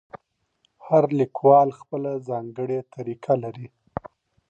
هر لیکوال خپله ځانګړې طریقه لري.